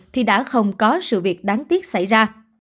thì đã không có sự việc đáng tiếc xảy ra